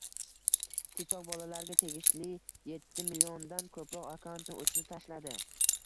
TikTok bolalarga tegishliyettimilliondan ko‘proq akkauntni o‘chirib tashladi